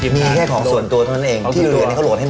มีแค่ของส่วนตัวเท่านั้นเองที่อื่นนี้เขาโหลดให้หมด